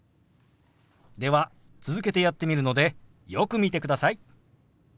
では続けてやってみるのでよく見てください。